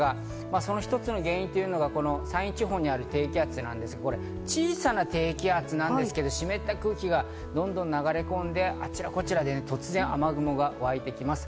その一つの原因というのが、この山陰地方にある低気圧、小さな低気圧なんですけど湿った空気がどんどん流れ込んで、あちらこちらで突然、雨雲が沸いてきます。